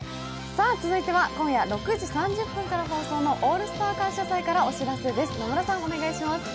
さあ、続いては今夜６時３０分から放送の「オールスター感謝祭」からお知らせです。